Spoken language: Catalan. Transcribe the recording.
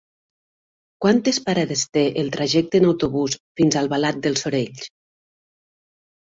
Quantes parades té el trajecte en autobús fins a Albalat dels Sorells?